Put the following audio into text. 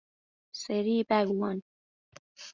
سری بگاوان